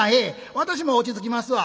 私も落ち着きますわ。